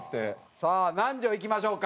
さあ南條いきましょうか。